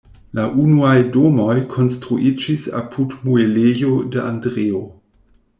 La unuaj domoj konstruiĝis apud muelejo de "Andreo".